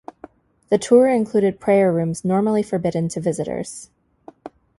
The tour included prayer rooms normally forbidden to visitors.